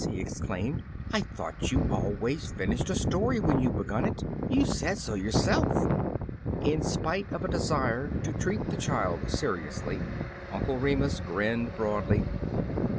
'* he exclaimed, "I thought you always fin ished a stoiy when you begun it; you said so yourself/* In spite of a desire to treat the child seriously. Uncle Remus grinned broadly.